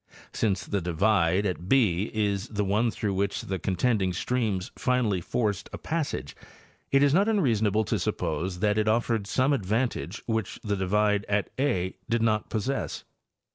Since the divide at b is the one through which the contending streams finally forced a passage, it is not unreasonable to suppose that it offered some advantage which the divide at @ did not possess.